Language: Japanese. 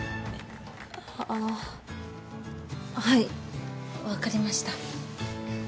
あっはい分かりました。